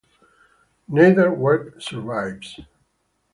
Neither work survives.